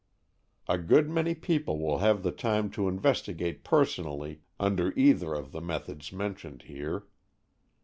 A good many people will have the time to investigate personally under either of the methods mentioned here.